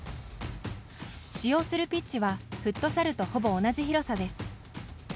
使用するピッチはフットサルとほぼ同じ広さです。